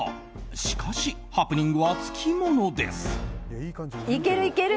しかしハプニングはつきものです。